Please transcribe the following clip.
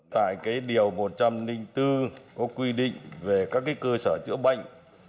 tại điều một trăm linh bốn có quy định về các cơ sở chữa bệnh